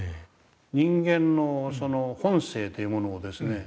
人間の本性というものをですね